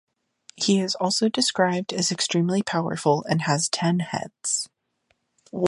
He is also described as extremely powerful and has ten heads.